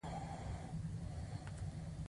هغې د روښانه اواز په اړه خوږه موسکا هم وکړه.